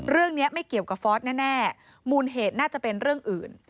เรื่องนี้ไม่เกี่ยวกับฟอสแน่มูลเหตุน่าจะเป็นเรื่องอื่น